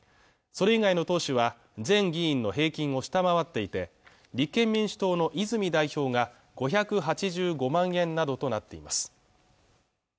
それ以外の党首は全議員の平均を下回っていて立憲民主党の泉代表が５８５万円などとなっています